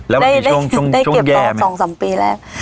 แล้วเมื่อกี้ช่วงช่วงช่วงแย่ได้เก็บต่อสองสามปีแล้ว